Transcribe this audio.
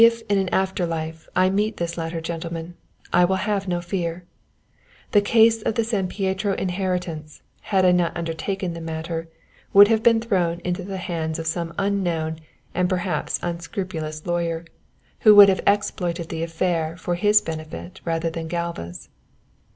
If, in an after life, I meet this latter gentleman, I will have no fear. The case of the San Pietro inheritance, had I not undertaken the matter, would have been thrown into the hands of some unknown and perhaps unscrupulous lawyer who would have exploited the affair for his benefit rather than Galva's.